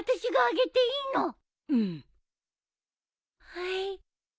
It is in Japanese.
はい。